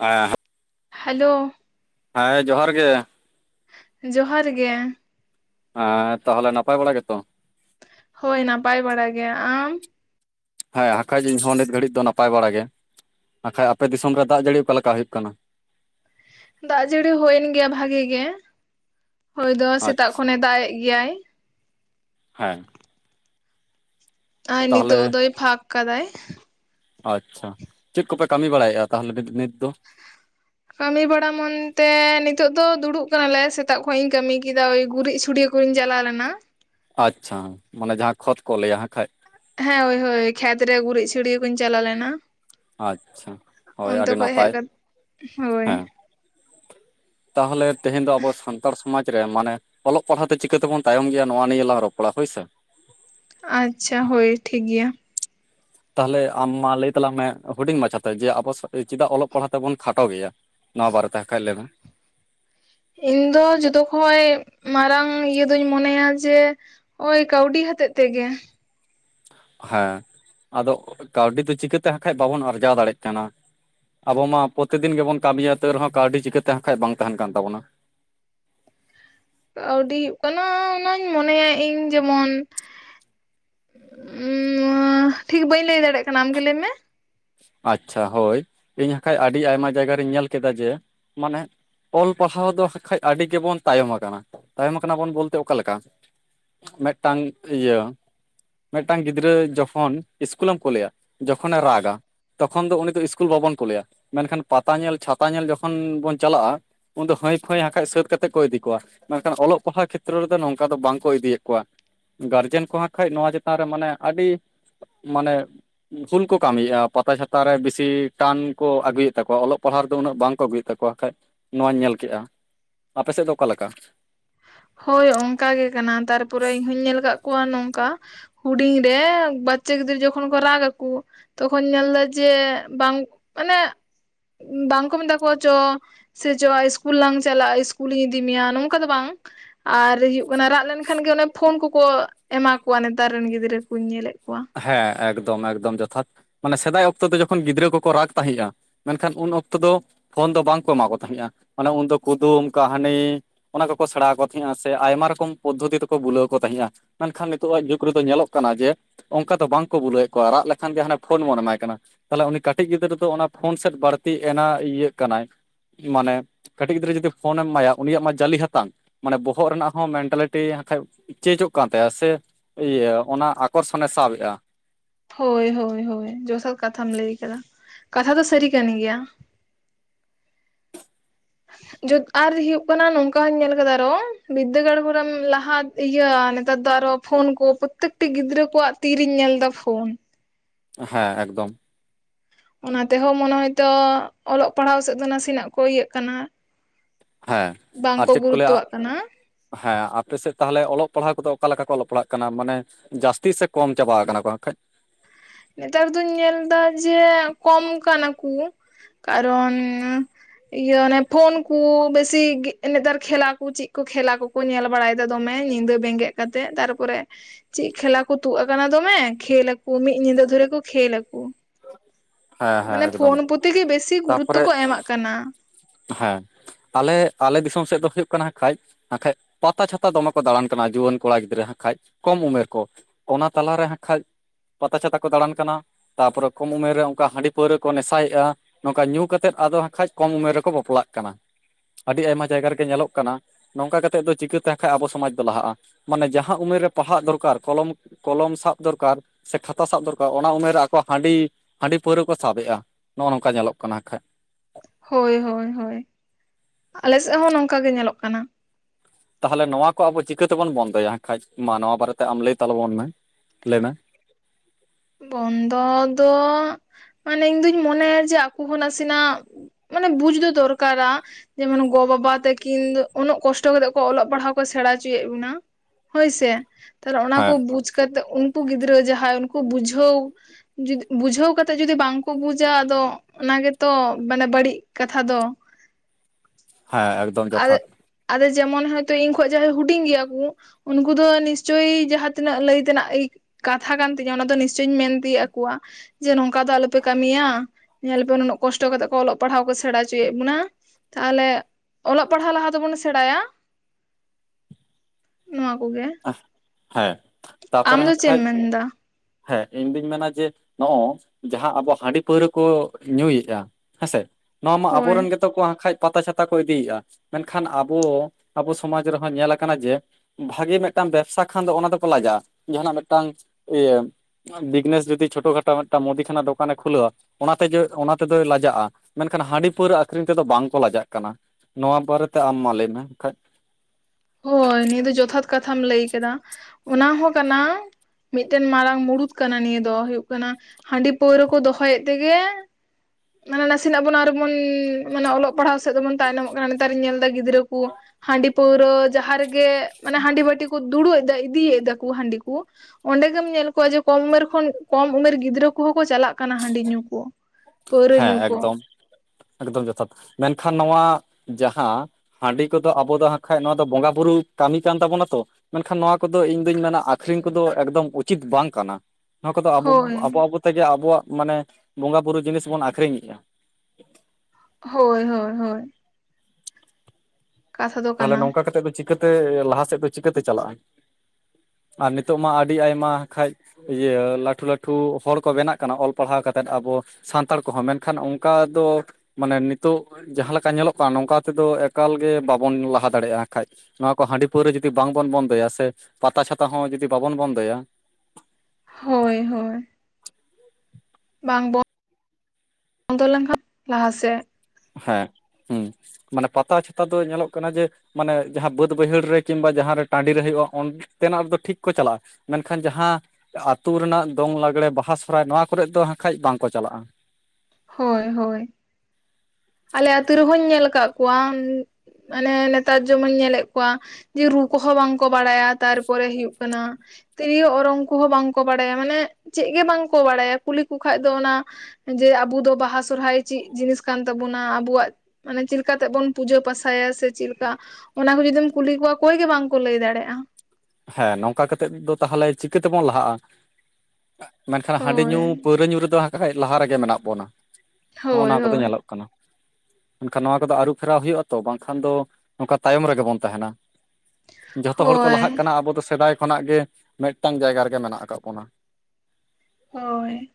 ᱦᱮᱸ ᱦᱮᱞᱳ᱾ ᱦᱮᱸ, ᱡᱚᱦᱟᱨ ᱜᱮ᱾ ᱡᱚᱦᱟᱨ ᱜᱮ᱾ ᱦᱮᱸ ᱛᱟᱦᱚᱞᱮ ᱱᱟᱯᱟᱭ ᱵᱟᱲᱟ ᱜᱮᱛᱚ? ᱦᱳᱭ ᱱᱟᱯᱟᱭ ᱵᱟᱲᱟ ᱜᱮ᱾ ᱟᱢ? ᱦᱮᱸ ᱦᱟᱸᱜ ᱠᱷᱟᱡ ᱤᱧᱦᱚᱸ ᱱᱤᱛ ᱜᱷᱟᱹᱲᱤᱡ ᱫᱚ ᱱᱟᱯᱟᱭ ᱵᱟᱲᱟ ᱜᱮ᱾ ᱟᱪᱷᱟ, ᱟᱯᱮ ᱫᱤᱥᱚᱢ ᱨᱮ ᱫᱟᱜ ᱡᱟᱹᱲᱤ ᱚᱠᱟ ᱞᱮᱠᱟ ᱦᱩᱭᱩᱜ ᱠᱟᱱᱟ? ᱫᱟᱜ ᱡᱟᱹᱲᱤ ᱦᱩᱭᱮᱱ ᱜᱮᱭᱟ ᱵᱷᱟᱜᱤ ᱜᱮ ᱦᱩᱭ ᱫᱚ ᱥᱮᱛᱟᱜ ᱟᱪᱪᱷᱟ ᱠᱷᱚᱱᱮ ᱫᱟᱜ ᱮᱫ ᱜᱮᱭᱟᱭ᱾ ᱦᱮᱸ ᱟᱨ ᱛᱟᱦᱚᱞᱮ ᱱᱤᱛᱳᱜ ᱫᱚᱭ ᱯᱷᱟᱸᱠ ᱠᱟᱫᱟᱭ᱾ ᱟᱪᱪᱷᱟ, ᱪᱮᱫ ᱠᱚᱯᱮ ᱠᱟᱹᱢᱤ ᱵᱟᱲᱟᱭᱮᱜ-ᱟ ᱛᱟᱦᱞᱮ ᱱᱤᱛ ᱫᱚ? ᱠᱟᱹᱢᱤ ᱵᱟᱲᱟ ᱢᱮᱱᱛᱮ ᱱᱤᱛᱚᱜ ᱫᱚ ᱫᱩᱲᱩᱵ ᱠᱟᱱᱟᱞᱮ ᱥᱮᱛᱟᱜ ᱠᱷᱚᱱᱤᱧ ᱠᱟᱹᱢᱤ ᱠᱮᱫᱟ ᱳᱭ ᱜᱩᱨᱤᱡ ᱪᱷᱩᱲᱤᱭᱟᱣ ᱠᱩᱧ ᱪᱟᱞᱟᱣ ᱞᱮᱱᱟ᱾ ᱟᱪᱪᱷᱟ, ᱢᱟᱱᱮ ᱡᱟᱦᱟᱸ ᱠᱷᱚᱛ ᱠᱚ ᱞᱟᱹᱭᱟ ᱦᱟᱸ ᱠᱷᱟᱡ᱾ ᱦᱮᱸ ᱦᱳᱭ ᱦᱳᱭ ᱠᱷᱮᱛᱨᱮ ᱜᱩᱨᱤᱡ ᱪᱷᱩᱲᱤᱭᱟᱹᱣ ᱠᱩᱧ ᱪᱟᱞᱟᱣ ᱞᱮᱱᱟ᱾ ᱟᱪᱪᱷᱟ ᱦᱳᱭ ᱚᱱᱛᱮ ᱟᱹᱰᱤ ᱠᱷᱚᱡ ᱦᱮᱡ ᱱᱟᱯᱟᱭ ᱠᱟᱛᱮ, ᱦᱳᱭ᱾ ᱦᱮᱸ ᱛᱟᱦᱚᱞᱮ ᱛᱮᱦᱮᱧ ᱫᱚ ᱟᱵᱚ ᱥᱟᱱᱛᱟᱲ ᱥᱚᱢᱟᱡᱽ ᱨᱮ ᱢᱟᱱᱮ ᱚᱞᱚᱜ ᱯᱟᱲᱦᱟᱜ ᱛᱮ ᱪᱤᱠᱟᱹᱛᱮᱵᱚᱱ ᱛᱟᱭᱚᱢ ᱜᱮᱭᱟ ᱱᱚᱣᱟ ᱱᱤᱭ ᱞᱟᱝ ᱨᱚᱯᱚᱲᱟ ᱦᱳᱭ ᱥᱮ᱾ ᱟᱪᱪᱷᱟ, ᱦᱳᱭ ᱴᱷᱤᱠ ᱜᱮᱭᱟ᱾ ᱛᱟᱦᱞᱮ ᱟᱢ ᱢᱟ ᱞᱟᱹᱭ ᱛᱟᱞᱟᱝ ᱢᱮ ᱦᱩᱰᱤᱧ ᱢᱟᱪᱷᱟᱛᱮ ᱡᱮ, ᱟᱵᱚ ᱪᱮᱫᱟᱜ ᱚᱞᱚᱜ ᱯᱟᱲᱦᱟᱜ ᱛᱮᱵᱚᱱ ᱠᱷᱟᱴᱚ ᱜᱮᱭᱟ? ᱱᱚᱣᱟ ᱵᱟᱨᱮ ᱛᱮ ᱦᱟᱸ ᱠᱷᱟᱡ ᱞᱟᱹᱭᱢᱮ᱾ ᱤᱧ ᱫᱚ ᱡᱚᱛᱚ ᱠᱷᱚᱡ ᱢᱟᱨᱟᱝ ᱤᱭᱟᱹ ᱫᱩᱧ ᱢᱚᱱᱮᱭᱟ ᱡᱮ, ᱳᱭ ᱠᱟᱹᱣᱰᱤ ᱦᱚᱛᱮᱫ ᱛᱮᱜᱮ᱾ ᱦᱮᱸ ᱟᱫᱚ ᱠᱟᱹᱣᱰᱤ ᱫᱚ ᱪᱤᱠᱟᱹᱛᱮ ᱦᱟᱸᱜ ᱠᱷᱟᱡ ᱵᱟᱵᱚᱱ ᱟᱨᱡᱟᱣ ᱫᱟᱲᱮᱜ ᱠᱟᱱᱟ? ᱟᱵᱚ ᱢᱟ ᱯᱨᱚᱛᱤ ᱫᱤᱱ ᱜᱮᱵᱚᱱ ᱠᱟᱹᱢᱤᱭᱟ, ᱛᱟᱹᱣ ᱨᱮᱦᱚᱸ ᱠᱟᱹᱣᱰᱤ ᱪᱤᱠᱟᱹᱛᱮ ᱦᱟᱸᱜ ᱠᱷᱟᱡ ᱵᱟᱝ ᱛᱟᱦᱮᱱ ᱠᱟᱱ ᱛᱟᱵᱚᱱᱟ? ᱠᱟᱹᱣᱰᱤ ᱚᱱᱟ ᱚᱱᱟᱧ ᱢᱚᱱᱮᱭᱟ ᱤᱧ ᱡᱮᱢᱚᱱ ᱩᱸᱻ ᱴᱷᱤᱠ ᱵᱟᱹᱧ ᱞᱟᱹᱭ ᱫᱟᱲᱮᱭᱟᱜ ᱠᱟᱱᱟ ᱟᱢᱜᱮ ᱞᱟᱹᱭ ᱢᱮ᱾ ᱟᱪᱪᱷᱟ ᱦᱳᱭ, ᱤᱧ ᱦᱟᱸᱜ ᱠᱷᱟᱡ ᱟᱹᱰᱤ ᱟᱭᱢᱟ ᱡᱟᱭᱜᱟ ᱨᱤᱧ ᱧᱮᱞ ᱠᱮᱫᱟ ᱡᱮ, ᱢᱟᱱᱮ ᱚᱞ ᱯᱟᱲᱦᱟᱣ ᱫᱚ ᱦᱟᱸᱜ ᱠᱷᱟᱡ ᱟᱹᱰᱤ ᱜᱮᱵᱚᱱ ᱛᱟᱭᱚᱢ ᱟᱠᱟᱱᱟ᱾ ᱛᱟᱭᱚᱢ ᱟᱠᱟᱱᱟ ᱵᱚᱱ ᱵᱚᱞᱛᱮ ᱚᱠᱟ ᱞᱮᱠᱟ? ᱢᱮᱫᱴᱟᱝ ᱤᱭᱟᱹ ᱢᱮᱫᱴᱟᱝ ᱜᱤᱫᱽᱨᱟᱹ ᱡᱚᱠᱷᱚᱱ ᱤᱥᱠᱩᱞᱮᱢ ᱠᱩᱞᱮᱭᱟ ᱡᱚᱠᱷᱚᱱᱮ ᱨᱟᱜᱟ ᱛᱚᱠᱷᱚᱱ ᱫᱚ ᱩᱱᱤ ᱫᱚ ᱤᱥᱠᱩᱞ ᱵᱟᱵᱚᱱ ᱠᱩᱞᱮᱭᱟ, ᱢᱮᱱᱠᱷᱟᱱ ᱯᱟᱛᱟ ᱧᱮᱞ ᱪᱷᱟᱛᱟ ᱧᱮᱞ ᱡᱚᱠᱷᱚᱱ ᱵᱚᱱ ᱪᱟᱞᱟᱜ-ᱟ ᱩᱱ ᱫᱚ ᱦᱟᱺᱭ ᱯᱷᱟᱺᱭ ᱦᱟᱸᱜ ᱠᱷᱟᱡ ᱥᱟᱹᱛ ᱠᱟᱛᱮᱫ ᱠᱚ ᱤᱫᱤ ᱠᱚᱣᱟ᱾ ᱢᱮᱱᱠᱷᱟᱱ ᱚᱞᱚᱜ ᱯᱟᱲᱦᱟᱜ ᱠᱷᱮᱛᱨᱮ ᱨᱮᱫᱚ ᱱᱚᱝᱠᱟ ᱫᱚ ᱵᱟᱝᱠᱚ ᱤᱫᱤᱭᱮᱫ ᱠᱚᱣᱟ᱾ ᱜᱟᱨᱡᱮᱱ ᱠᱚᱦᱟᱸᱜ ᱠᱷᱟᱱ ᱱᱚᱣᱟ ᱪᱮᱛᱟᱱ ᱨᱮ ᱢᱟᱱᱮ ᱟᱹᱰᱤ ᱢᱟᱱᱮ ᱵᱷᱩᱞ ᱠᱚ ᱠᱟᱹᱢᱤᱭᱮᱜ-ᱟ᱾ ᱯᱟᱛᱟ ᱪᱷᱟᱛᱟ ᱨᱮ ᱵᱤᱥᱤ ᱴᱟᱱ ᱠᱚ ᱟᱹᱜᱩᱭᱮᱫ ᱛᱟᱠᱚᱣᱟ, ᱚᱞᱚᱜ ᱯᱟᱲᱦᱟᱜ ᱨᱮᱫᱚ ᱩᱱᱟᱹᱜ ᱵᱟᱝ ᱠᱚ ᱟᱹᱜᱩᱭᱮᱫ ᱛᱟᱠᱚᱣᱟ ᱦᱟᱸᱜ ᱠᱷᱟᱡ᱾ ᱱᱚᱣᱟᱧ ᱧᱮᱞ ᱠᱮᱜ-ᱟ, ᱟᱯᱮ ᱥᱮᱫ ᱫᱚ ᱚᱠᱟ ᱞᱮᱠᱟ? ᱦᱳᱭ ᱚᱝᱠᱟ ᱜᱮ ᱠᱟᱱᱟ, ᱛᱟᱨᱯᱚᱨᱮ ᱤᱧᱦᱩᱧ ᱧᱮᱞ ᱠᱟᱜ ᱠᱚᱣᱟ ᱱᱚᱝᱠᱟ ᱦᱩᱰᱤᱧ ᱨᱮ ᱵᱟᱪᱪᱟ ᱜᱤᱫᱟᱹᱨ ᱡᱚᱠᱷᱚᱱ ᱠᱚ ᱨᱟᱜᱽ ᱟᱠᱩ ᱛᱚᱠᱷᱚᱱ ᱧᱮᱞᱫᱟ ᱡᱮ ᱵᱟᱝ ᱢᱟᱱᱮ ᱵᱟᱝᱠᱚ ᱢᱮᱛᱟ ᱠᱚᱣᱟ ᱪᱚ ᱥᱮ ᱪᱚ ᱤᱥᱠᱩᱞ ᱞᱟᱝ ᱪᱟᱞᱟᱜ-ᱟ ᱥᱠᱩᱞᱤᱧ ᱤᱫᱤ ᱢᱮᱭᱟ ᱱᱚᱝᱠᱟ ᱫᱚ ᱵᱟᱝ ᱟᱨ ᱦᱩᱭᱩᱜ ᱠᱟᱱᱟ ᱨᱟᱜ ᱞᱮᱱᱠᱷᱟᱱ ᱜᱮ ᱚᱱᱮ ᱯᱷᱳᱱ ᱠᱚᱠᱚ ᱮᱢᱟ ᱠᱚᱣᱟ ᱱᱮᱛᱟᱨ ᱨᱮᱱ ᱜᱤᱫᱽᱨᱟᱹ ᱠᱩᱧ ᱧᱮᱞᱮᱫ ᱠᱚᱣᱟ᱾ ᱦᱮᱸ ᱮᱠᱫᱚᱢ ᱮᱠᱫᱚᱢ ᱡᱚᱛᱷᱟᱛ, ᱢᱟᱱᱮ ᱥᱮᱫᱟᱭ ᱚᱠᱛᱚ ᱫᱚ ᱡᱚᱠᱷᱚᱱ ᱜᱤᱫᱽᱨᱟᱹ ᱠᱚᱠᱚ ᱨᱟᱜᱽ ᱛᱟᱦᱮᱸᱡ-ᱟ ᱢᱮᱱᱠᱷᱟᱱ ᱩᱱ ᱚᱠᱛᱚ ᱫᱚ ᱯᱷᱳᱱ ᱫᱚ ᱵᱟᱝᱠᱚ ᱮᱢᱟ ᱠᱚ ᱛᱟᱦᱮᱸᱜ-ᱟ ᱢᱟᱱᱮ ᱩᱱᱫᱚ ᱠᱩᱫᱩᱢ ᱠᱟᱹᱦᱽᱱᱤ ᱚᱱᱟ ᱠᱚᱠᱚ ᱥᱮᱬᱟ ᱟᱠᱚ ᱛᱟᱦᱮᱸᱜ-ᱟ ᱥᱮ ᱟᱭᱢᱟ ᱨᱚᱠᱚᱢ ᱯᱚᱫᱽᱫᱷᱚᱛᱤ ᱛᱮᱠᱚ ᱵᱩᱞᱟᱹᱣ ᱠᱚ ᱛᱟᱦᱮᱸᱜ-ᱟ ᱢᱮᱱᱠᱷᱟᱱ ᱱᱤᱛᱚᱜ ᱟᱜ ᱡᱩᱜᱽ ᱨᱮᱫᱚ ᱧᱮᱞᱚᱜ ᱠᱟᱱᱟ ᱡᱮ ᱚᱱᱠᱟ ᱫᱚ ᱵᱟᱝᱠᱚ ᱵᱩᱞᱟᱹᱣᱮᱫ ᱠᱚᱣᱟ ᱨᱟᱜ ᱞᱮᱠᱷᱟᱱ ᱜᱮ ᱦᱟᱱᱮ ᱯᱷᱳᱱ ᱵᱚᱱ ᱮᱢᱟᱭ ᱠᱟᱱᱟ ᱛᱟᱦᱚᱞᱮ ᱩᱱᱤ ᱠᱟᱹᱴᱤᱡ ᱜᱤᱫᱽᱨᱟᱹ ᱫᱚ ᱚᱱᱟ ᱯᱷᱳᱱ ᱥᱮᱫ ᱵᱟᱹᱲᱛᱤ ᱮᱱᱟ ᱤᱭᱟᱹᱜ ᱠᱟᱱᱟᱭ ᱢᱟᱱᱮ ᱠᱟᱹᱴᱤᱡ ᱜᱤᱫᱽᱨᱟᱹ ᱡᱩᱫᱤ ᱯᱷᱳᱱᱮ ᱮᱢᱟᱭᱟ ᱩᱱᱤᱭᱟᱜ ᱢᱟ ᱡᱟᱹᱞᱤ ᱦᱟᱛᱟᱝ ᱢᱟᱱᱮ ᱵᱚᱦᱚᱜ ᱨᱮᱱᱟᱜ ᱦᱚᱸ ᱢᱮᱱᱴᱟᱞᱤᱴᱤ ᱦᱟᱜᱠᱷᱟᱡ ᱪᱮᱧᱡᱚᱜ ᱠᱟᱱ ᱛᱟᱭᱟ ᱥᱮ ᱤᱭᱟᱹ ᱚᱱᱟ ᱟᱠᱚᱨᱥᱚᱱᱮ ᱥᱟᱵ ᱮᱫ-ᱟ ᱦᱳᱭ ᱦᱳᱭ ᱦᱳᱭ ᱡᱚᱛᱷᱟᱛ ᱠᱟᱛᱷᱟᱢ ᱞᱟᱹᱭ ᱟᱠᱟᱫᱟ ᱠᱟᱛᱷᱟ ᱫᱚ ᱥᱟᱹᱨᱤ ᱠᱟᱱ ᱜᱮᱭᱟ ᱟᱨ ᱦᱳᱭᱳᱜ ᱠᱟᱱᱟ ᱱᱚᱝᱠᱟ ᱦᱚᱧ ᱧᱮᱞ ᱟᱠᱟᱫᱟ ᱟᱨᱚ ᱵᱤᱫᱽᱫᱟᱹᱜᱟᱲ ᱠᱚᱨᱮᱢ ᱞᱟᱦᱟ ᱤᱭᱟᱹ ᱱᱮᱛᱟᱨ ᱫᱚ ᱟᱨᱚ ᱯᱷᱳᱱ ᱠᱚ ᱯᱨᱚᱛᱛᱮᱠᱴᱤ ᱜᱤᱫᱽᱨᱟᱹ ᱠᱚᱣᱟᱜ ᱛᱤᱨᱮᱧ ᱧᱮᱞ ᱮᱫᱟ ᱯᱷᱳᱱ ᱦᱮᱸ ᱮᱠᱫᱚᱢ ᱚᱱᱟ ᱛᱮᱦᱚᱸ ᱢᱚᱱᱮ ᱦᱚᱭᱛᱚ ᱚᱞᱚᱜ ᱯᱟᱲᱦᱟᱣ ᱥᱮᱫ ᱫᱚ ᱱᱟᱥᱮᱱᱟᱜ ᱠᱚ ᱤᱭᱟᱹᱜ ᱠᱟᱱᱟ ᱦᱮᱸ ᱟᱨ ᱵᱟᱝᱠᱚ ᱪᱮᱫ ᱠᱚ ᱞᱟᱹᱭᱟ ᱜᱩᱨᱩᱛᱛᱚᱣᱟᱜ ᱠᱟᱱᱟ ᱦᱮᱸ ᱟᱯᱮ ᱥᱮᱫ ᱛᱟᱦᱚᱞᱮ ᱚᱞᱚᱜ ᱯᱟᱲᱦᱟᱣ ᱠᱚᱫᱚ ᱚᱠᱟ ᱞᱮᱠᱟ ᱠᱚ ᱚᱞᱚᱜ ᱯᱟᱲᱦᱟᱜ ᱠᱟᱱᱟ ᱢᱟᱱᱮ ᱡᱟᱹᱥᱛᱤ ᱥᱮ ᱠᱚᱢ ᱪᱟᱵᱟ ᱠᱟᱱᱟ ᱠᱚ ᱦᱟᱸᱠᱷᱟᱡ ᱾ ᱱᱮᱛᱟᱨ ᱫᱩᱧ ᱧᱮᱞ ᱮᱫᱟ ᱡᱮ ᱠᱚᱢ ᱠᱟᱱᱟ ᱠᱚ ᱠᱟᱨᱚᱱ ᱾ ᱤᱭᱟᱹ ᱚᱱᱮ ᱯᱷᱳᱱ ᱠᱚ ᱵᱮᱥᱤ ᱱᱮᱛᱟᱨ ᱠᱷᱮᱞᱟ ᱠᱚ ᱪᱮᱫ ᱠᱚ ᱠᱷᱮᱞᱟ ᱠᱚ ᱠᱚ ᱧᱮᱞ ᱵᱟᱲᱟᱭᱮᱫᱟ ᱫᱚᱢᱮ ᱧᱤᱫᱟᱹ ᱵᱮᱸᱜᱮᱫ ᱠᱟᱛᱮᱫ ᱛᱟᱨᱯᱚᱨᱮ ᱾ ᱪᱮᱫ ᱠᱷᱮᱞᱟ ᱠᱚ ᱛᱩᱫ ᱟᱠᱟᱱᱟ ᱫᱚᱢᱮ ᱠᱷᱮᱞᱟ ᱟᱠᱩ ᱢᱤᱫ ᱧᱤᱫᱟᱹ ᱫᱷᱚᱨᱮ ᱠᱚ ᱠᱷᱮᱞᱟᱠᱚ ᱾ ᱦᱮᱸ ᱦᱮᱸ ᱢᱟᱱᱮ ᱮᱠᱫᱚᱢ ᱯᱷᱳᱱ ᱯᱨᱚᱛᱤ ᱜᱮ ᱵᱮᱥᱤ ᱜᱩᱨᱩᱛᱛᱚ ᱛᱟᱯᱚᱨᱮ ᱠᱚ ᱮᱢᱟᱜ ᱠᱟᱱᱟ ᱾ ᱦᱮᱸ ᱟᱞᱮ ᱟᱞᱮ ᱫᱤᱥᱚᱢ ᱥᱮᱫ ᱫᱚ ᱦᱩᱭᱩᱜ ᱠᱟᱱᱟ ᱠᱷᱟᱡ ᱦᱟᱸᱠᱷᱟᱡ ᱯᱟᱛᱟ ᱪᱷᱟᱛᱟ ᱫᱚᱢᱮ ᱠᱚ ᱫᱟᱲᱟᱱ ᱠᱟᱱᱟ ᱡᱩᱣᱟᱹᱱ ᱠᱚᱲᱟ ᱜᱤᱫᱽᱨᱟᱹ ᱦᱟᱸᱠᱷᱟᱡ ᱠᱚᱢ ᱩᱢᱮᱨ ᱠᱚ ᱾ ᱚᱱᱟ ᱛᱟᱞᱟᱨᱮ ᱦᱟᱸᱠᱦᱟᱡ ᱯᱟᱛᱟ ᱪᱷᱟᱛᱟ ᱠᱚ ᱫᱟᱲᱟᱱ ᱠᱟᱱᱟ ᱾ ᱛᱟᱯᱚᱨᱮ ᱠᱚᱢ ᱩᱢᱮᱨ ᱨᱮ ᱚᱱᱠᱟ ᱦᱟᱺᱰᱤ ᱯᱟᱹᱣᱨᱟᱹ ᱠᱚ ᱱᱮᱥᱟᱭᱮᱫᱼᱟ, ᱱᱚᱝᱠᱟ ᱧᱩ ᱠᱟᱛᱮᱫ ᱟᱫᱚ ᱦᱟᱸᱠᱷᱟᱡ ᱠᱚᱢ ᱩᱢᱮᱨ ᱨᱮ ᱠᱚ ᱵᱟᱯᱞᱟᱜ ᱠᱟᱱᱟ ᱟᱹᱰᱤ ᱟᱭᱢᱟ ᱡᱟᱭᱜᱟ ᱨᱮᱜᱮ ᱧᱮᱞᱚᱜ ᱠᱟᱱᱟ ᱾ ᱱᱚᱝᱠᱟ ᱠᱟᱛᱮᱫ ᱫᱚ ᱪᱤᱠᱟᱹᱛᱮ ᱦᱟᱸᱠᱷᱟᱡ ᱟᱵᱚ ᱥᱚᱢᱟᱡᱽ ᱫᱚ ᱞᱟᱦᱟᱜᱼᱟ ᱾ ᱢᱟᱱᱮ ᱡᱟᱦᱟᱸ ᱩᱢᱮᱨ ᱨᱮ ᱯᱟᱲᱦᱟᱜ ᱫᱚᱨᱠᱟᱨ, ᱠᱚᱞᱚᱢ ᱠᱚᱞᱚᱢ ᱥᱟᱵ ᱫᱚᱨᱠᱟᱨ ᱥᱮ ᱠᱷᱟᱛᱟ ᱥᱟᱵ ᱫᱚᱨᱠᱟᱨ, ᱚᱱᱟ ᱩᱢᱮᱨ ᱨᱮ ᱟᱠᱚ ᱦᱟᱺᱰᱤ ᱦᱟᱺᱰᱤ ᱯᱟᱹᱣᱨᱟᱹ ᱠᱚ ᱥᱟᱵ ᱮᱫᱼᱟ ᱾ ᱱᱚᱜᱼᱚ ᱱᱚᱝᱠᱟ ᱧᱮᱞᱚᱜ ᱠᱟᱱᱟ ᱦᱠᱠᱷᱟᱡ ᱾ ᱦᱳᱭ ᱦᱳᱭ ᱦᱳᱭ ᱟᱞᱮᱥᱮᱫ ᱦᱚᱸ ᱱᱚᱝᱠᱟ ᱜᱮ ᱧᱮᱞᱚᱜ ᱠᱟᱱᱟ ᱾ ᱛᱟᱦᱚᱞᱮ ᱱᱚᱣᱟ ᱠᱚ ᱟᱵᱚ ᱪᱤᱠᱟᱹ ᱛᱮᱵᱚᱱ ᱵᱚᱱᱫᱚᱭᱟ ᱠᱷᱟᱡ ᱢᱟ ᱱᱚᱣᱟ ᱵᱟᱨᱮᱛᱮ ᱟᱢ ᱞᱟᱹᱭ ᱛᱟᱞᱵᱚᱱ ᱢᱮ ᱞᱟᱹᱭ ᱢᱮ? ᱵᱚᱱᱫᱚ ᱫᱚ ᱢᱟᱱᱮ ᱤᱧᱫᱩᱧ ᱢᱚᱱᱮᱭᱟ ᱡᱮ ᱟᱠᱚ ᱦᱚᱸ ᱱᱟᱥᱮᱱᱟᱜ ᱢᱟᱱᱮ ᱵᱩᱡ ᱫᱚ ᱫᱚᱨᱠᱟᱨᱟ ᱾ ᱡᱮᱢᱚᱱ ᱜᱚ ᱵᱟᱵᱟ ᱛᱟᱹᱠᱤᱱ ᱩᱱᱟᱹᱜ ᱠᱚᱥᱴᱚ ᱠᱟᱛᱮᱜ ᱠᱚ ᱚᱞᱚᱜ ᱯᱟᱲᱦᱟᱜ ᱠᱚ ᱥᱮᱬᱟ ᱦᱚᱪᱚᱭᱮᱫ ᱵᱤᱱᱟ ᱾ ᱦᱳᱭᱥᱮ ᱛᱟᱦᱞᱮ ᱚᱱᱟ ᱠᱚ ᱦᱮᱸ ᱵᱩᱡᱽ ᱠᱟᱛᱮᱫ ᱩᱱᱠᱩ ᱜᱤᱫᱽᱨᱟᱹ ᱡᱟᱦᱟᱸᱭ ᱩᱱᱠᱩ ᱵᱩᱡᱷᱟᱹᱣ ᱡᱩᱫ ᱵᱩᱡᱷᱟᱹᱣ ᱠᱟᱛᱮᱜ ᱡᱩᱫᱤ ᱵᱟᱝᱠᱚ ᱵᱩᱡᱟ ᱟᱫᱚ ᱚᱱᱟ ᱜᱮᱛᱚ ᱢᱟᱱᱮ ᱵᱟᱹᱲᱤᱡ ᱠᱟᱛᱷᱟ ᱫᱚ ᱾ ᱦᱮᱸ ᱾ ᱟ ᱟᱫᱚ ᱡᱮᱢᱚᱱ ᱦᱚᱭᱛᱳ ᱤᱧ ᱠᱷᱚᱱ ᱡᱟᱦᱟᱸᱭ ᱦᱩᱰᱤᱧ ᱜᱮᱭᱟ ᱠᱚ ᱩᱱᱠᱩ ᱫᱚ ᱱᱤᱥᱪᱳᱚᱭ ᱡᱟᱦᱟᱸᱛᱤᱱᱟᱹᱜ ᱞᱟᱹᱭ ᱛᱮᱱᱟᱜ ᱠᱟᱛᱷᱟ ᱠᱟᱱ ᱛᱤᱧᱟᱹ ᱚᱱᱟ ᱫᱚ ᱱᱤᱥᱪᱚᱭᱤᱧ ᱢᱮᱱ ᱛᱮᱭᱳᱜ ᱟᱠᱚᱣᱟ ᱾ ᱡᱮ ᱱᱚᱝᱠᱟ ᱫᱚ ᱟᱞᱚᱯᱮ ᱠᱟᱹᱢᱤᱭᱟ ᱧᱮᱞᱯᱮ ᱱᱩᱱᱟᱹᱜ ᱠᱚᱥᱴᱚ ᱠᱟᱛᱮᱜ ᱠᱚ ᱚᱞᱚᱜ ᱯᱟᱲᱦᱟᱜ ᱠᱚ ᱥᱮᱲᱟ ᱦᱚᱪᱚᱭᱮᱫ ᱵᱚᱱᱟ ᱾ ᱛᱟᱦᱚᱞᱮ ᱚᱞᱚᱜ ᱯᱟᱲᱦᱟᱜ ᱞᱟᱦᱟ ᱛᱮᱵᱚᱱ ᱥᱮᱲᱟᱭᱟ ᱱᱚᱣᱟ ᱠᱚᱜᱮ ᱦᱮᱸ ᱾ ᱟᱢ ᱛᱟᱯᱚᱨᱮ ᱫᱚ ᱦᱟᱸᱜ ᱪᱮᱫ ᱮᱢ ᱠᱷᱟᱡ ᱢᱮᱱᱫᱟ? ᱦᱮᱸ ᱤᱧ ᱫᱩᱧ ᱢᱮᱱᱟ ᱡᱮ ᱱᱚ-ᱚ ᱡᱟᱦᱟᱸ ᱟᱵᱚ ᱦᱟᱺᱰᱤ ᱯᱟᱹᱣᱨᱟᱹ ᱠᱚ ᱧᱩᱭᱮᱫᱼᱟ ᱾ ᱦᱮᱸᱥᱮ ᱱᱚᱣᱟ ᱢᱟ ᱦᱳᱭ ᱟᱵᱚᱨᱮᱱ ᱜᱮᱛᱚ ᱠᱚ ᱦᱟᱸᱠᱷᱟᱡ ᱯᱟᱛᱟ ᱪᱷᱟᱛᱟ ᱠᱚ ᱤᱫᱤᱭᱮᱫᱼᱟ ᱾ ᱢᱮᱱᱠᱷᱟᱱ ᱟᱵᱚ ᱟᱵᱚ ᱥᱚᱢᱟᱡᱽ ᱨᱮᱦᱚᱸ ᱧᱮᱞ ᱠᱟᱱᱟ ᱡᱮ ᱵᱷᱟᱜᱮ ᱢᱤᱫᱴᱟᱝ ᱵᱮᱵᱥᱟ ᱠᱷᱟᱱ ᱫᱚ ᱚᱱᱟ ᱫᱚᱠᱚ ᱞᱟᱡᱟᱜᱼᱟ ᱾ ᱡᱟᱦᱟᱱᱟᱜ ᱢᱤᱫᱴᱟᱝ ᱤᱭᱟᱹ ᱵᱤᱜᱱᱮᱥ ᱡᱩᱫᱤ ᱪᱷᱳᱴᱳ ᱠᱷᱟᱴᱚ ᱢᱤᱫᱴᱟᱝ ᱢᱩᱫᱤ ᱠᱷᱟᱱᱟ ᱫᱚᱠᱟᱱᱮ ᱠᱷᱩᱞᱟᱹᱣᱟ ᱾ ᱚᱱᱟᱛᱮᱫᱚ ᱚᱱᱟᱛᱮᱫᱚᱭ ᱞᱟᱡᱟᱜᱼᱟ ᱾ ᱢᱮᱱᱠᱷᱟᱱ ᱦᱟᱺᱰᱤ ᱯᱟᱹᱣᱨᱟᱹ ᱟᱹᱠᱷᱨᱤᱧ ᱛᱮᱫᱚ ᱵᱟᱝᱠᱚ ᱞᱟᱡᱟᱜ ᱠᱟᱱᱟ ᱾ ᱱᱚᱣᱟ ᱵᱟᱨᱮᱛᱮ ᱟᱢ ᱢᱟ ᱞᱟᱹᱭᱢᱮ, ᱵᱟᱠᱷᱟᱡ! ᱦᱳᱭ ᱱᱤᱭᱟᱹ ᱫᱚ ᱡᱚᱛᱷᱟᱛ ᱠᱟᱛᱷᱟᱢ ᱞᱟᱹᱭ ᱠᱮᱫᱟ ᱚᱱᱟ ᱦᱚᱸ ᱠᱟᱱᱟ ᱾ ᱢᱤᱫᱴᱮᱱ ᱢᱟᱨᱟᱝ ᱢᱩᱲᱩᱫ ᱠᱟᱱᱟ ᱱᱤᱭᱟᱹ ᱫᱚ ᱦᱩᱭᱩᱜ ᱠᱟᱱᱟ ᱾ ᱦᱟᱺᱰᱤ ᱯᱟᱹᱣᱨᱟᱹ ᱠᱚ ᱫᱚᱦᱚᱭᱮᱫ ᱛᱮᱜᱮ ᱢᱟᱱᱮ ᱱᱟᱥᱮᱱᱟᱜ ᱵᱚᱱ ᱟᱨ ᱵᱚᱱ ᱢᱮᱸ ᱚᱞᱚᱜ ᱯᱟᱲᱦᱟᱣ ᱥᱮᱫ ᱫᱚᱵᱚᱱ ᱛᱟᱭᱱᱚᱢᱚᱜ ᱠᱟᱱᱟ ᱾ ᱱᱮᱛᱟᱨᱤᱧ ᱧᱮᱞ ᱮᱫᱟ ᱜᱤᱫᱽᱨᱟᱹ ᱠᱩ ᱦᱟᱺᱰᱤ ᱯᱟᱹᱣᱨᱟᱹ ᱟᱨᱜᱮ ᱢᱟᱱᱮ ᱦᱟᱺᱰᱤ ᱵᱟᱹᱴᱤ ᱠᱚ ᱫᱩᱲᱩᱵ ᱮᱫᱟ ᱤᱫᱤᱭᱮᱫ ᱫᱟᱠᱚ ᱦᱟᱺᱰᱤ ᱠᱩ ᱾ ᱚᱸᱰᱮ ᱜᱮᱢ ᱧᱮᱞ ᱠᱚᱣᱟ, ᱡᱮ ᱠᱚᱢ ᱩᱢᱮᱨ ᱠᱷᱚᱱ ᱠᱚᱢ ᱩᱢᱮᱨ ᱜᱤᱫᱽᱨᱟᱹ ᱠᱚᱦᱚᱸ ᱠᱚ ᱪᱟᱞᱟᱜ ᱠᱟᱱᱟ ᱦᱟᱺᱰᱤ ᱧᱩ ᱠᱩ ᱾ [unintelligible] ᱦᱮᱸ ᱮᱠᱫᱚᱢ ᱮᱠᱫᱚᱢ ᱡᱚᱛᱷᱟᱛ, ᱢᱮᱱᱠᱷᱟᱱ ᱱᱚᱣᱟ ᱡᱟᱦᱟᱸ ᱦᱟᱺᱰᱤ ᱠᱚᱫᱚ ᱟᱵᱚ ᱫᱚ ᱦᱟᱸᱜ ᱠᱷᱟᱡ, ᱱᱚᱣᱟ ᱫᱚ ᱵᱚᱸᱜᱟ ᱵᱩᱨᱩ ᱠᱟᱹᱢᱤ ᱠᱟᱱ ᱛᱟᱵᱚᱱᱟ ᱛᱚ, ᱢᱮᱱᱠᱷᱟᱱ ᱱᱚᱣᱟ ᱠᱚᱫᱚ ᱤᱧ ᱫᱩᱧ ᱢᱮᱱᱟ ᱟᱠᱷᱨᱤᱧ ᱠᱚᱫᱚ ᱮᱠᱫᱚᱢ ᱩᱪᱤᱛ ᱵᱟᱝ ᱠᱟᱱᱟ ᱾ ᱱᱚᱣᱟ ᱠᱚᱫᱚ ᱟᱵᱚ ᱦᱳᱭ ᱟᱵᱚ ᱟᱵᱚ ᱛᱮᱜᱮ ᱟᱵᱚᱣᱟᱜ ᱢᱟᱱᱮ ᱵᱚᱸᱜᱟ ᱵᱩᱨᱩ ᱡᱤᱱᱤᱥ ᱵᱚᱱ ᱟᱠᱷᱨᱤᱧᱮᱜᱼᱟ ᱾ ᱦᱳᱭ ᱦᱳᱭ ᱦᱳᱭ ᱾ ᱫᱚ ᱛᱟᱦᱞᱮ ᱠᱟᱱᱟ ᱱᱚᱝᱠᱟ ᱠᱟᱛᱮᱜ ᱫᱚ ᱪᱤᱠᱟᱹᱛᱮ ᱞᱟᱦᱟ ᱥᱮᱫ ᱫᱚ ᱪᱤᱠᱟᱹᱛᱮ ᱪᱟᱞᱟᱜᱼᱟ ᱟᱨ ᱱᱤᱛᱚᱜ ᱢᱟ ᱟᱹᱰᱤ ᱟᱭᱢᱟ ᱠᱷᱟᱡ ᱤᱭᱟᱹ ᱞᱟᱹᱴᱩ ᱞᱟᱹᱴᱩ ᱦᱚᱲ ᱠᱚ ᱵᱮᱱᱟᱜ ᱠᱟᱱᱟ ᱚᱞ ᱯᱟᱲᱦᱟᱣ ᱠᱟᱛᱮᱫ ᱟᱵᱚ ᱥᱟᱱᱛᱟᱲ ᱠᱚᱦᱚᱸ ᱢᱮᱱᱠᱷᱟᱱ ᱚᱱᱠᱟ ᱫᱚ ᱢᱟᱱᱮ ᱱᱤᱛᱚᱜ ᱡᱟᱦᱟᱸ ᱞᱮᱠᱟ ᱧᱮᱞᱚᱜ ᱠᱟᱱᱟ ᱱᱚᱝᱠᱟ ᱛᱮᱫᱚ ᱮᱠᱟᱞᱜᱮ ᱵᱟᱵᱚᱱ ᱞᱟᱦᱟ ᱫᱟᱲᱮᱭᱟᱜᱼᱟ ᱠᱷᱟᱱᱡ ᱱᱚᱣᱟ ᱠᱚ ᱦᱟᱺᱰᱤ ᱯᱟᱹᱣᱨᱟᱹ ᱡᱩᱫᱤ ᱵᱟᱝᱵᱚᱱ ᱵᱚᱱᱫᱚᱮᱭᱟ ᱥᱮ ᱯᱟᱛᱟ ᱪᱷᱟᱛᱟ ᱦᱚᱸ ᱡᱩᱫᱤ ᱵᱟᱵᱚᱱ ᱵᱚᱱᱫᱚᱭᱟ ᱦᱳᱭ ᱦᱳᱭ ᱵᱟᱝ ᱵᱚᱱᱫᱚ ᱞᱮᱱᱠᱷᱟᱱ ᱞᱟᱦᱟ ᱥᱮᱫ ᱦᱮᱸ ᱦᱩᱸ ᱢᱟᱱᱮ ᱯᱟᱛᱟ ᱪᱷᱟᱛᱟ ᱫᱚ ᱧᱮᱞᱚᱜ ᱠᱟᱱᱟ ᱡᱮ ᱢᱟᱱᱮ ᱡᱟᱦᱟᱸ ᱵᱟᱹᱫ ᱵᱟᱹᱭᱦᱟᱹᱲ ᱨᱮ ᱠᱤᱢᱵᱟ ᱡᱟᱦᱟᱸ ᱨᱮ ᱴᱟᱺᱰᱤ ᱨᱮ ᱦᱩᱭᱩᱜᱼᱟ ᱛᱮᱱᱟᱜ ᱫᱚ ᱴᱷᱤᱠ ᱠᱚ ᱪᱟᱞᱟᱜᱼᱟ ᱢᱮᱱᱠᱷᱟᱱ ᱡᱟᱦᱟᱸ ᱟᱹᱛᱩ ᱨᱮᱱᱟᱜ ᱫᱚᱝ ᱞᱟᱜᱽᱲᱮ ᱵᱟᱦᱟ ᱥᱚᱨᱚᱦᱟᱭ ᱱᱚᱣᱟ ᱠᱚᱨᱮᱫ ᱫᱚ ᱦᱟᱠᱷᱟᱡ ᱵᱟᱝᱠᱚ ᱪᱟᱞᱟᱜᱼᱟ ᱦᱳᱭ ᱦᱳᱭ ᱟᱞᱮ ᱟᱛᱩ ᱨᱮᱦᱚᱸᱧ ᱧᱮᱞ ᱟᱠᱟᱫ ᱠᱚᱣᱟ ᱢᱟᱱᱮ ᱱᱮᱛᱟᱨ ᱡᱚᱢ ᱦᱚᱧ ᱧᱮᱞᱮᱫ ᱠᱚᱣᱟ ᱡᱮ ᱨᱩ ᱠᱚᱦᱚᱸ ᱵᱟᱝᱠᱚ ᱵᱟᱲᱟᱭᱟ ᱛᱟᱨᱯᱚᱨᱮ ᱦᱩᱭᱩᱜ ᱠᱟᱱᱟ ᱛᱤᱨᱭᱳ ᱚᱨᱚᱝ ᱠᱚᱦᱚᱸ ᱵᱟᱝ ᱠᱚ ᱵᱟᱲᱟᱭᱟ ᱢᱟᱱᱮ ᱪᱮᱫ ᱜᱮ ᱵᱟᱝᱠᱚ ᱵᱟᱲᱟᱭᱟ ᱠᱩᱞᱤ ᱠᱚ ᱠᱷᱟᱡ ᱫᱚ ᱚᱱᱟ ᱡᱮ ᱟᱵᱚ ᱫᱚ ᱵᱟᱦᱟ ᱥᱚᱨᱚᱦᱟᱭ ᱪᱮᱫ ᱡᱤᱱᱤᱥ ᱠᱟᱱ ᱛᱟᱵᱚᱱᱟ ᱟᱵᱚᱣᱟᱜ ᱢᱟᱱᱮ ᱪᱮᱫ ᱠᱟᱛᱮ ᱵᱚᱱ ᱯᱩᱡᱟᱹ ᱯᱟᱥᱟᱭᱟ ᱥᱮ ᱪᱮᱫᱠᱟ ᱚᱱᱟ ᱠᱚ ᱡᱩᱫᱤᱢ ᱠᱩᱞᱤ ᱠᱚᱣᱟ ᱚᱠᱚᱭ ᱜᱮ ᱵᱟᱝ ᱠᱚ ᱞᱟᱹᱭ ᱫᱟᱲᱮᱭᱟᱜᱼᱟ ᱦᱮᱸ ᱱᱚᱝᱠᱟ ᱠᱟᱛᱮᱜ ᱫᱚ ᱛᱟᱦᱚᱞᱮ ᱪᱤᱠᱟᱹ ᱛᱮᱵᱚᱱ ᱞᱟᱦᱟᱜᱼᱟ ᱢᱮᱱᱠᱷᱟᱱ ᱦᱟᱺᱰᱤ ᱦᱳᱭ ᱧᱩ ᱯᱟᱹᱣᱨᱟᱹ ᱧᱩ ᱨᱮ ᱫᱚ ᱦᱟᱸᱜ ᱞᱟᱦᱟ ᱨᱮᱜᱮ ᱢᱮᱱᱟᱜ ᱵᱚᱱᱟ ᱱᱚᱜᱼ ᱦᱳᱭ ᱱᱚᱣᱟ ᱠᱚᱫᱚ ᱦᱳᱭ ᱧᱮᱞᱚᱜ ᱠᱟᱱᱟ ᱢᱮᱱᱠᱷᱟᱱ ᱱᱚᱣᱟ ᱠᱚᱫᱚ ᱟᱹᱨᱩ ᱯᱷᱮᱨᱟᱣ ᱦᱩᱭᱩᱜᱼᱟ ᱛᱚ ᱵᱟᱝᱠᱷᱟᱱ ᱫᱚ ᱱᱚᱝᱠᱟ ᱛᱟᱭᱚᱢ ᱨᱮᱜᱮ ᱵᱚᱱ ᱛᱟᱦᱮᱸᱱᱟ ᱡᱷᱚᱛᱚ ᱦᱚᱲ ᱠᱚ ᱦᱳᱭ ᱞᱟᱦᱟᱜ ᱠᱟᱱᱟ ᱟᱵᱚ ᱫᱚ ᱥᱮᱫᱟᱭ ᱠᱷᱚᱱᱟᱜ ᱜᱮ ᱢᱤᱫᱴᱟᱝ ᱡᱟᱭᱜᱟ ᱨᱮᱜᱮ ᱢᱮᱱᱟᱜ ᱟᱠᱟᱜ ᱵᱚᱱᱟ ᱦᱳᱭ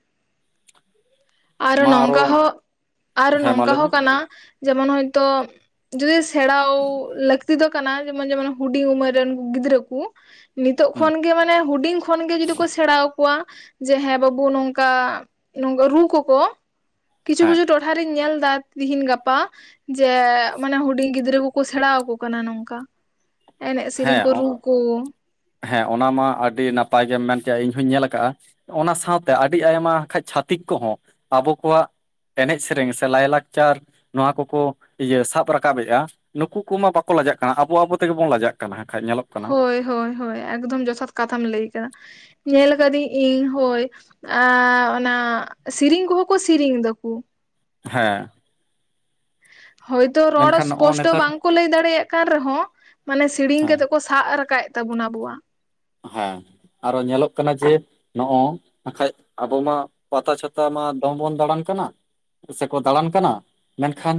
ᱟᱨ ᱢᱟ ᱟᱨᱚ ᱱᱚᱝᱠᱟ ᱦᱚᱸ ᱟᱨ ᱦᱮᱸ ᱢᱟ ᱱᱚᱝᱠᱟ ᱞᱟᱹᱭ ᱢᱮ ᱦᱚᱸ ᱠᱟᱱᱟ ᱡᱮᱢᱚᱱ ᱦᱚᱭᱛᱳ ᱡᱫᱤ ᱥᱮᱬᱟᱣ ᱞᱟᱹᱠᱛᱤ ᱫᱚ ᱠᱟᱱᱟ ᱡᱮᱢᱚᱱ ᱡᱮᱢᱚᱱ ᱦᱩᱰᱤᱧ ᱩᱢᱮᱨ ᱨᱮᱱ ᱜᱤᱫᱽᱨᱟᱹ ᱠᱩ ᱱᱤᱛᱚᱜ ᱦᱩᱸ ᱠᱷᱚᱱᱜᱮ ᱢᱟᱱᱮ ᱦᱩᱰᱤᱧ ᱠᱷᱚᱱᱜᱮ ᱡᱩᱫᱤ ᱠᱚ ᱥᱮᱬᱟ ᱟᱠᱚᱣᱟ ᱡᱮ ᱦᱮᱸ ᱵᱟᱹᱵᱩ ᱱᱚᱝᱠᱟᱝ ᱨᱩ ᱠᱚᱠᱚ ᱠᱤᱪᱷᱩ ᱦᱮᱸ ᱠᱤᱪᱷᱩ ᱴᱚᱴᱷᱟ ᱴᱷᱟ ᱨᱤᱧ ᱧᱮᱞ ᱮᱫᱟ ᱛᱤᱦᱤᱱ ᱜᱟᱯᱟ ᱡᱮ ᱢᱟᱱᱮ ᱦᱩᱰᱤᱧ ᱜᱤᱫᱽᱨᱟᱹ ᱠᱚᱠᱚ ᱥᱮᱬᱟ ᱟᱠᱚ ᱠᱟᱱᱟ ᱱᱚᱝᱠᱟ ᱮᱱᱮᱡ ᱥᱮᱨᱮᱧ ᱦᱮᱸ ᱠᱚ ᱨᱩ ᱠᱚ, ᱦᱮᱸ ᱚᱱᱟ ᱢᱟ ᱟᱹᱰᱤ ᱱᱟᱯᱟᱭ ᱜᱮᱢ ᱢᱮᱱ ᱠᱮᱫ-ᱟ ᱤᱧ ᱦᱚᱧ ᱧᱮᱞ ᱠᱟᱜᱼᱟ ᱚᱱᱟ ᱥᱟᱶᱛᱮ ᱟᱹᱰᱤ ᱟᱭᱢᱟ ᱠᱷᱟᱱᱡ ᱪᱷᱟᱹᱛᱤᱠ ᱠᱚᱦᱚᱸ ᱟᱵᱚ ᱠᱚᱣᱟᱜ ᱮᱱᱮᱡ ᱥᱮᱨᱮᱧ ᱥᱮ ᱞᱟᱭᱼᱞᱟᱠᱪᱟᱨ ᱱᱚᱣᱟ ᱠᱚᱠᱚ ᱤᱭᱟᱹ ᱥᱟᱵ ᱨᱟᱠᱟᱵ ᱮᱫᱼᱟ ᱱᱩᱠᱩ ᱠᱚᱢᱟ ᱵᱟᱠᱚ ᱞᱟᱡᱟᱜ ᱠᱟᱱᱟ ᱟᱵᱚ ᱟᱵᱚ ᱛᱮᱜᱮ ᱵᱚᱱ ᱞᱟᱡᱟᱜ ᱠᱟᱱᱟ ᱠᱟᱱᱟ ᱦᱟᱸᱜ ᱠᱷᱟᱱ ᱧᱮᱞᱚᱜ ᱠᱟᱱᱟ ᱦᱳᱭ ᱦᱳᱭ ᱦᱳᱭ ᱮᱠᱫᱚᱢ ᱡᱚᱛᱷᱟᱛ ᱠᱟᱛᱷᱟᱢ ᱞᱟᱹᱭ ᱠᱮᱫᱟ ᱧᱮᱞ ᱠᱟᱹᱫᱟᱹᱧ ᱤᱧ ᱦᱳᱭ ᱟᱻ ᱚᱱᱟ ᱥᱤᱨᱤᱧ ᱠᱚᱦᱚᱸ ᱠᱚ ᱥᱮᱤᱨᱧ ᱫᱟᱠᱚ ᱦᱮᱸ ᱦᱳᱭᱛᱚ ᱨᱚᱲ ᱢᱮᱱᱠᱷᱟᱱ ᱱᱚᱜᱼᱚ ᱥᱯᱚᱥᱴᱚ ᱱᱮᱛᱟᱨ ᱵᱟᱝᱠᱚ ᱞᱟᱹᱭ ᱫᱟᱲᱮᱭᱟᱜ ᱠᱟᱱ ᱨᱮᱦᱚᱸ ᱢᱟᱱᱮ ᱥᱮᱲᱤᱧ ᱦᱮᱸ ᱠᱟᱛᱮ ᱠᱚ ᱥᱟᱵ ᱨᱟᱠᱟᱵᱮᱫ ᱛᱟᱵᱚᱱᱟ ᱟᱵᱚᱣᱟᱜ᱾ ᱦᱮᱸ ᱟᱨᱚ ᱧᱮᱞᱚᱜ ᱠᱟᱱᱟ ᱡᱮ ᱱᱚᱜᱼᱚ ᱟᱸᱠᱷᱟᱡ ᱟᱵᱚ ᱢᱟ ᱯᱟᱛᱟ ᱪᱷᱟᱛᱟ ᱢᱟ ᱫᱚᱢ ᱵᱚᱱ ᱫᱟᱬᱟᱱ ᱠᱟᱱᱟ ᱥᱮᱠᱚ ᱫᱟᱬᱟᱱ ᱠᱟᱱᱟ ᱢᱮᱱᱠᱷᱟᱱ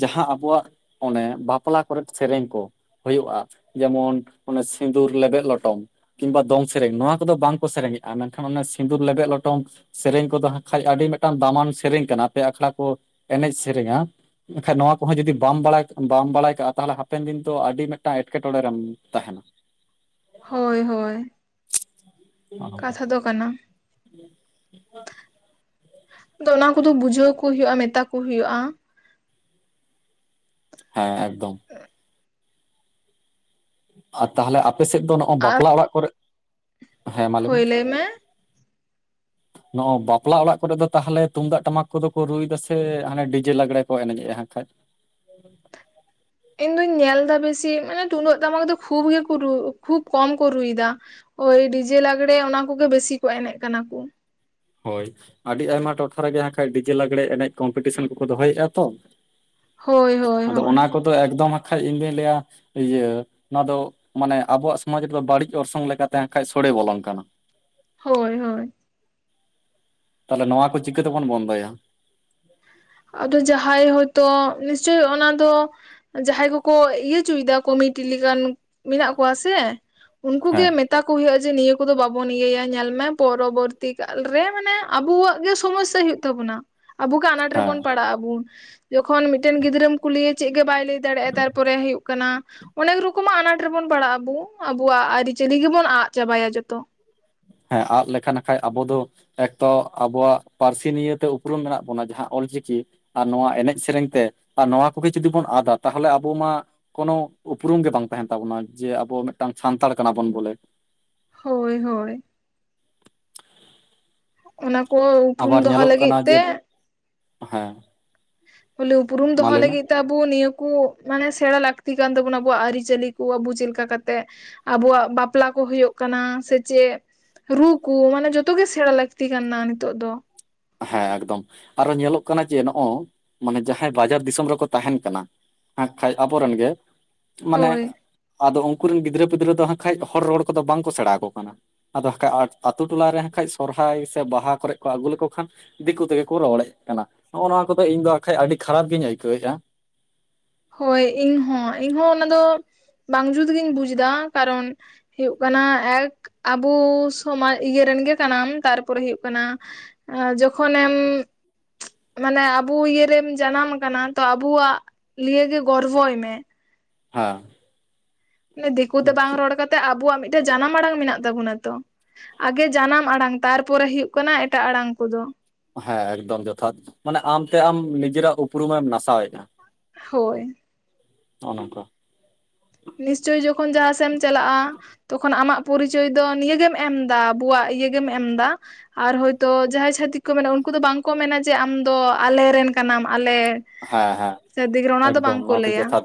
ᱡᱟᱦᱟᱸ ᱟᱵᱚᱣᱟᱜ ᱚᱱᱮ ᱵᱟᱯᱞᱟ ᱠᱚᱨᱮᱫ ᱥᱮᱨᱮᱧ ᱠᱚ ᱦᱩᱭᱩᱜᱼᱟ ᱡᱮᱢᱚᱱ ᱚᱱᱮ ᱥᱤᱸᱫᱩᱨ ᱞᱮᱵᱮᱫ ᱞᱚᱴᱚᱢ ᱠᱤᱝᱵᱟ ᱫᱚᱝ ᱥᱮᱨᱮᱧ ᱱᱚᱣᱟ ᱠᱚᱫᱚ ᱵᱟᱝᱠᱚ ᱥᱮᱨᱮᱧᱮᱜᱼᱟ, ᱢᱮᱱᱠᱷᱟᱱ ᱚᱱᱮ ᱥᱤᱸᱫᱩᱨ ᱞᱮᱵᱮᱫ ᱞᱚᱴᱚᱢ ᱥᱮᱨᱮᱧ ᱠᱚᱫᱚ ᱦᱟᱸᱜ ᱠᱷᱟᱡ ᱟᱹᱰᱤ ᱢᱤᱫᱴᱟᱝ ᱫᱟᱢᱟᱱ ᱥᱮᱨᱮᱧ ᱠᱟᱱᱟ ᱟᱯᱮᱭᱟᱜ ᱟᱠᱷᱲᱟ ᱠᱚ ᱮᱱᱮᱡ ᱥᱮᱨᱮᱧᱟ ᱮᱠᱷᱟᱡ ᱱᱚᱣᱟ ᱠᱚᱦᱚᱸ ᱡᱩᱫᱤ ᱵᱟᱢ ᱵᱟᱲᱟᱭ ᱵᱟᱢ ᱵᱟᱲᱟᱭ ᱠᱟᱜᱼᱟ ᱛᱟᱦᱚᱞᱮ ᱦᱟᱯᱮᱱ ᱫᱤᱱ ᱛ ᱟᱹᱰᱤ ᱢᱤᱫᱴᱟᱝ ᱮᱴᱠᱮᱴᱚᱲᱮ ᱨᱮᱢ ᱛᱟᱦᱮᱱᱟ᱾ ᱦᱳᱭ ᱦᱳᱭ ᱠᱟᱛᱷᱟ ᱫᱚ ᱠᱟᱱᱟ, ᱚᱱᱟ ᱠᱚᱫᱚ ᱵᱩᱡᱷᱟᱹᱣ ᱠᱚ ᱦᱩᱭᱩᱜᱼᱟ ᱢᱮᱛᱟ ᱠᱚ ᱦᱩᱭᱩᱜᱼᱟ᱾ ᱦᱮᱸ ᱮᱠᱫᱚᱢ ᱟᱨ ᱛᱟᱦᱞᱮ ᱟᱯᱮ ᱥᱮᱫ ᱫᱚ ᱱᱚᱜ-ᱚ ᱟᱨ ᱵᱟᱯᱞᱟ ᱚᱲᱟᱜ ᱠᱚᱨᱮᱜ ᱦᱳᱭ ᱞᱟᱹᱭ ᱢᱮ ᱱᱚᱜᱼᱚ ᱵᱟᱯᱞᱟ ᱚᱲᱟᱜ ᱠᱚᱨᱮ ᱫᱚ ᱛᱟᱦᱚᱞᱮ ᱛᱩᱢᱫᱟᱜ ᱴᱟᱢᱟᱠ ᱠᱚᱫᱚ ᱠᱚ ᱨᱩᱭ ᱫᱟ ᱥᱮ ᱦᱟᱱᱮ ᱰᱤᱡᱮ ᱞᱟᱜᱽᱲᱮ ᱠᱚ ᱮᱱᱮᱡᱮᱜᱼᱟ ᱦᱟᱸᱜ ᱠᱷᱟᱡ? ᱤᱧ ᱫᱩᱧ ᱧᱮᱞᱫᱟ ᱵᱮᱥᱤ ᱢᱟᱱᱮ ᱛᱩᱢᱫᱟᱹᱜ ᱴᱟᱢᱟᱠ ᱫᱚ ᱠᱷᱩᱵᱽ ᱜᱮᱠᱚ ᱨᱩ ᱠᱷᱩᱵᱽ ᱠᱚᱢ ᱠᱚ ᱨᱩᱭ ᱫᱟ᱾ ᱦᱳᱭ ᱰᱤᱡᱮ ᱞᱟᱜᱽᱲᱮ ᱚᱱᱟ ᱠᱚᱜᱮ ᱵᱮᱥᱤ ᱠᱚ ᱮᱱᱮᱡ ᱠᱟᱱᱟ ᱠᱚ᱾ ᱦᱳᱭ, ᱟᱹᱰᱤ ᱟᱭᱢᱟ ᱴᱚᱴᱷᱟ ᱨᱮᱜᱮ ᱦᱟᱸᱜ ᱠᱷᱟᱱᱴᱡ ᱰᱤᱡᱮ ᱞᱟᱜᱽᱲᱮ ᱮᱱᱮᱡ ᱠᱚᱢᱯᱤᱴᱤᱥᱮᱱ ᱠᱚᱠᱚ ᱫᱚᱦᱚᱭᱮᱜᱼᱟ ᱛᱚ ᱦᱳᱭ ᱦᱳᱭ ᱟᱫᱚ ᱦᱳᱭ ᱚᱱᱟ ᱠᱚᱫᱚ ᱮᱠᱫᱚᱢ ᱦᱟᱸᱜ ᱠᱷᱟᱡ ᱤᱧᱫᱩᱧ ᱞᱟᱹᱭᱟ ᱤᱭᱟᱹ ᱚᱱᱟ ᱫᱚ ᱢᱟᱱᱮ ᱟᱵᱚᱣᱟᱜ ᱥᱚᱢᱟᱡᱽ ᱨᱮᱫᱚ ᱵᱟᱹᱲᱤᱡ ᱚᱨᱥᱚᱝ ᱞᱮᱠᱟᱛᱟᱮ ᱦᱟᱸᱜ ᱠᱷᱟᱱᱡ ᱥᱳᱲᱮ ᱵᱚᱞᱚᱱ ᱠᱟᱱᱟ᱾ ᱦᱳᱭ ᱦᱳᱭ᱾ ᱛᱟᱦᱚᱞᱮ ᱱᱚᱣᱟ ᱠᱚ ᱪᱤᱠᱟᱹ ᱛᱮᱵᱚᱱ ᱵᱚᱱᱫᱚᱭᱟ? ᱟᱫᱚ ᱡᱟᱦᱟᱸᱭ ᱦᱚᱭᱛᱚ ᱱᱤᱥᱪᱳᱭ ᱚᱱᱟ ᱫᱚ ᱡᱟᱦᱟᱸᱭ ᱠᱚᱠᱚ ᱤᱭᱟᱹ ᱪᱚᱭᱫᱟ ᱠᱚ ᱢᱤᱫᱴᱤᱡ ᱞᱮᱠᱟᱱ ᱢᱮᱱᱟᱜ ᱠᱚᱣᱟ ᱥᱮ ᱩᱱᱠᱩᱜ ᱦᱮᱸ ᱜᱮ ᱢᱮᱛᱟ ᱠᱚ ᱦᱩᱭᱩᱜᱼᱟ ᱡᱮ ᱱᱤᱭᱟᱹ ᱠᱚᱫᱚ ᱵᱟᱵᱚᱱ ᱤᱭᱟᱹᱭᱟ ᱧᱮᱞ ᱢᱮ ᱯᱚᱨᱚᱵᱚᱨᱛᱤ ᱠᱟᱞ ᱨᱮ ᱢᱟᱱᱮ ᱟᱵᱚᱣᱟᱜ ᱜᱮ ᱥᱚᱢᱚᱥᱥᱟ ᱦᱳᱭᱳᱜ ᱛᱟᱵᱚᱱᱟ᱾ ᱟᱵᱚ ᱜᱮ ᱟᱱᱟᱴ ᱦᱮᱸ ᱨᱮᱵᱚᱱ ᱯᱟᱲᱟᱜ ᱟᱵᱚᱱ ᱡᱚᱠᱷᱚᱱ ᱢᱤᱫᱴᱮᱱ ᱜᱤᱫᱽᱨᱟᱹᱢ ᱠᱩᱞᱤᱭᱮ ᱪᱮᱫ ᱜᱮ ᱵᱟᱭ ᱞᱟᱹᱭ ᱫᱟᱲᱮᱭᱟᱜᱼᱟ ᱛᱟᱨᱯᱚᱨᱮ ᱦᱩᱭᱩᱜ ᱠᱟᱱᱟ ᱚᱱᱮᱠ ᱨᱚᱠᱚᱢᱟᱜ ᱟᱱᱟᱴ ᱨᱮᱵᱚᱱ ᱯᱟᱲᱟᱜᱼᱟ ᱟᱵᱩ ᱟᱵᱚᱣᱟᱜ ᱟᱹᱨᱤᱪᱟᱹᱞᱤ ᱜᱮᱵᱚᱱ ᱟᱫ ᱪᱟᱵᱟᱭᱟ ᱡᱚᱛᱚ᱾ ᱦᱮᱸ ᱟᱫ ᱞᱮᱠᱷᱟᱱ ᱠᱷᱟᱡ ᱟᱵᱚ ᱫᱚ ᱮᱠ ᱛᱚ ᱟᱵᱚᱣᱟᱜ ᱯᱟᱹᱨᱥᱤ ᱱᱤᱭᱮᱛᱮ ᱩᱯᱨᱩᱢ ᱢᱮᱱᱟᱜ ᱵᱚᱱᱟ ᱡᱟᱦᱟᱸ ᱚᱞᱪᱤᱠᱤ ᱟᱨ ᱱᱚᱣᱟ ᱮᱱᱮᱡ ᱥᱮᱨᱮᱧ ᱛᱮ ᱟᱨ ᱱᱚᱣᱟ ᱠᱚᱜᱮ ᱡᱩᱫᱤ ᱵᱚᱱ ᱟᱫᱟ ᱛᱟᱦᱚᱞᱮ ᱟᱵᱚ ᱢᱟ ᱠᱳᱱᱳ ᱩᱯᱩᱨᱩᱢ ᱜᱮ ᱵᱟᱝ ᱛᱟᱦᱮᱱ ᱛᱟᱵᱚᱱᱟ ᱡᱮ ᱟᱵᱚ ᱢᱤᱫᱴᱟᱝ ᱥᱟᱱᱛᱟᱲ ᱠᱟᱱᱟ ᱵᱚᱱ ᱵᱚᱞᱮ᱾ ᱦᱳᱭ ᱦᱳᱭ ᱚᱱᱟ ᱠᱚ ᱩᱯᱨᱩᱢ ᱟᱵᱟᱨ ᱫᱚᱦᱚ ᱧᱮᱞᱚᱜ ᱞᱟᱹᱜᱤᱫ ᱠᱟᱱᱟ ᱡᱮ ᱛᱮ ᱦᱮᱸ ᱵᱚᱞᱮ ᱩᱯᱨᱩᱢ ᱢᱟ ᱫᱚᱦᱚ ᱞᱟᱹᱭ ᱢᱮ ᱞᱟᱹᱜᱤᱫ ᱛᱮ ᱟᱵᱚ ᱱᱤᱭᱟᱹ ᱠᱚ ᱢᱟᱱᱮ ᱥᱮᱬᱟ ᱞᱟᱹᱠᱛᱤ ᱠᱟᱱ ᱛᱟᱵᱚᱱᱟ ᱟᱵᱩᱣᱟᱜ ᱟᱹᱨᱤᱪᱟᱹᱞᱤ ᱠᱚ ᱟᱵᱚ ᱪᱮᱫ ᱞᱮᱠᱟ ᱠᱟᱛᱮᱜ ᱟᱵᱚᱣᱟᱜ ᱵᱟᱯᱞᱟ ᱠᱚ ᱦᱩᱭᱩᱜ ᱠᱟᱱᱟ ᱥᱮ ᱪᱮᱫ, ᱨᱩ ᱠᱚ ᱢᱟᱱᱮ ᱡᱷᱚᱛᱚ ᱜᱮ ᱥᱮᱬᱟ ᱞᱟᱹᱠᱛᱤ ᱠᱟᱱᱟ ᱱᱤᱛᱚᱜ ᱫᱚ᱾ ᱦᱮᱸ ᱮᱠᱫᱚᱢ, ᱟᱨᱚ ᱧᱮᱞᱚᱜ ᱠᱟᱱᱟ ᱡᱮ ᱱᱚᱜᱼᱚᱭ ᱢᱟᱱᱮ ᱡᱟᱦᱟᱸᱭ ᱵᱟᱡᱟᱨ ᱫᱤᱥᱚᱢ ᱨᱮᱠᱚ ᱛᱟᱦᱮᱱ ᱠᱟᱱᱟ ᱦᱟᱸᱜ ᱠᱷᱟᱡ ᱟᱵᱚᱨᱮᱱ ᱜᱮ ᱢᱟᱱᱮ ᱦᱳᱭ ᱟᱫᱚ ᱩᱱ ᱠᱩᱨᱮᱱ ᱜᱤᱫᱽᱨᱟᱹ ᱯᱤᱫᱽᱨᱟᱹ ᱫᱚ ᱦᱟᱸᱜ ᱠᱷᱟᱡ ᱦᱚᱲ ᱨᱚᱲ ᱠᱚᱫᱚ ᱵᱟᱝ ᱠᱚ ᱥᱮᱬᱟ ᱟᱠᱚ ᱠᱟᱱᱟ᱾ ᱟᱫᱚ ᱦᱟᱠᱟ ᱟᱛ ᱟᱛᱳ ᱴᱚᱞᱟ ᱨᱮ ᱦᱟᱸᱜ ᱠᱷᱟᱡ ᱥᱚᱨᱦᱟᱭ ᱥᱮ ᱵᱟᱦᱟ ᱠᱚᱨᱮ ᱠᱚ ᱟᱹᱜᱩ ᱞᱮᱠᱚ ᱠᱷᱟᱱ ᱫᱤᱠᱩ ᱛᱮᱜᱮ ᱠᱚ ᱨᱚᱲᱮᱫ ᱠᱟᱱᱟ, ᱱᱚᱜᱼᱚ ᱱᱚᱣᱟ ᱠᱚᱫᱚ ᱤᱧ ᱫᱚ ᱟᱠᱷᱟᱡ ᱟᱹᱰᱤ ᱠᱷᱟᱨᱟᱯ ᱜᱤᱧ ᱟᱹᱭᱠᱟᱹᱣᱮᱫᱼᱟ᱾ ᱦᱳᱭ ᱤᱧᱦᱚ ᱤᱧᱦᱚ ᱚᱱᱟ ᱫᱚ ᱵᱟᱝ ᱡᱩᱛᱜᱤᱧ ᱵᱩᱡᱫᱟ ᱠᱟᱨᱚᱱ ᱦᱩᱭᱩᱜ ᱠᱟᱱᱟ ᱮᱠ ᱟᱵᱚ ᱥᱚᱢᱟᱡᱽ ᱤᱭᱟᱹ ᱨᱮᱱ ᱜᱮ ᱠᱟᱱᱟᱢ ᱛᱟᱨᱯᱚᱨᱮ ᱦᱩᱭᱩᱜ ᱠᱟᱱᱟ ᱡᱚᱠᱷᱚᱱᱮᱢ ᱢᱟᱱᱮ ᱟᱵᱚ ᱤᱭᱟᱹᱨᱮᱢ ᱡᱟᱱᱟᱢ ᱠᱟᱱᱟ ᱛᱚ ᱟᱵᱚᱣᱟᱜ ᱞᱤᱭᱟᱹ ᱜᱮ ᱜᱚᱨᱵᱚᱭ ᱢᱮ ᱦᱚᱸ ᱫᱤᱠᱩᱛᱮ ᱵᱟᱝ ᱨᱚᱲ ᱠᱟᱛᱮᱜ ᱟᱵᱚᱣᱟᱜ ᱢᱤᱫᱴᱮᱱ ᱡᱟᱱᱟᱢ ᱟᱲᱟᱝ ᱢᱮᱱᱟᱜ ᱛᱟᱵᱚᱱᱟ ᱛᱚ ᱟᱜᱮ ᱡᱟᱱᱟᱢ ᱟᱲᱟᱝ ᱛᱟᱨᱯᱚᱨᱮ ᱦᱩᱭᱩᱜ ᱠᱟᱱᱟ ᱮᱴᱟᱜ ᱟᱲᱟᱝ ᱠᱚᱫᱚ ᱦᱮᱸ ᱮᱠᱫᱚᱢ ᱡᱚᱛᱷᱟᱛ ᱢᱟᱱᱮ ᱟᱢᱛᱮ ᱟᱢ ᱱᱤᱡᱮᱨᱟᱜ ᱩᱯᱨᱩᱢᱮᱢ ᱱᱟᱥᱟᱣᱮᱫᱼᱟ ᱦᱳᱭ ᱱᱚᱜᱼᱚ ᱱᱚᱝᱠᱟ ᱱᱤᱥᱪᱳᱭ ᱡᱚᱠᱷᱚᱱ ᱡᱟᱦᱟᱸ ᱥᱮᱫ ᱮᱢ ᱪᱟᱞᱟᱜᱼᱟ ᱛᱚᱠᱷᱚᱱ ᱟᱢᱟᱜ ᱯᱚᱨᱤᱪᱚᱭ ᱫᱚ ᱱᱤᱭᱟᱹᱜᱮᱢ ᱮᱢᱫᱟ ᱟᱵᱚᱣᱟᱜ ᱤᱭᱟᱹ ᱜᱮᱢ ᱮᱢᱫᱟ ᱟᱨ ᱦᱳᱭᱛᱳ ᱡᱟᱦᱟᱸᱭ ᱪᱷᱟᱹᱛᱤᱠ ᱠᱚ ᱢᱮᱱᱟ ᱩᱱᱠᱩ ᱫᱚ ᱵᱟᱝᱠᱚ ᱢᱮᱱᱟ ᱡᱮ ᱟᱢᱫᱚ ᱟᱞᱮᱨᱮ ᱨᱮᱱ ᱠᱟᱱᱟᱢ ᱟᱞᱮ ᱦᱮᱸ ᱦᱮᱸ ᱥᱟᱹᱨᱫᱤᱜᱨᱟᱹ ᱚᱱᱟ ᱫᱚ ᱮᱠᱫᱚᱢ ᱵᱟᱝᱠᱚ ᱱᱚᱣᱟ ᱫᱚ ᱞᱟᱹᱭᱟ ᱡᱚᱛᱷᱟᱛ